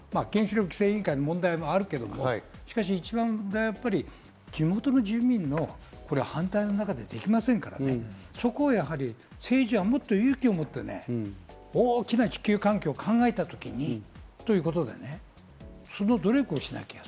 原子力規制委員会の問題もあるけど、しかし、一番の問題は地元の住民の反対の中でできませんから、そこは政治は勇気をもって、大きな地球環境を考えたときにということでね、その努力をしなきゃ。